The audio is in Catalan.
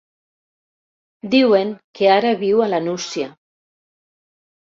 Diuen que ara viu a la Nucia.